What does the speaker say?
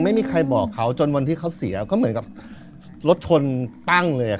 ไม่มีใครบอกเขาจนวันที่เขาเสียก็เหมือนกับรถชนปั้งเลยอ่ะ